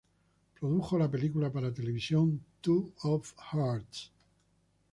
Produjo la película para televisión "Two of Hearts".